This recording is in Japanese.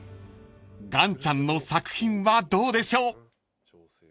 ［岩ちゃんの作品はどうでしょう？］